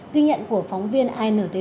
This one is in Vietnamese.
ghi nhận của phóng viên intv